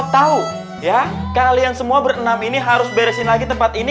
tahu ya kalian semua berenam ini harus beresin lagi tempat ini